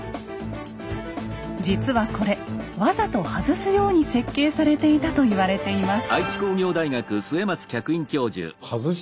実はこれわざと外すように設計されていたと言われています。